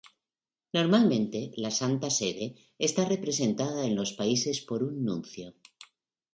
Normalmente, la Santa Sede está representada en los países por un Nuncio.